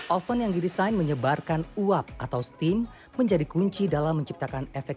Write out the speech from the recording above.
oven yang didesain menyebarkan uap atau steam menjadi kunci dalam menciptakan efek